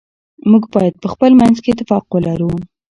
موږ باید په خپل منځ کي اتفاق ولرو.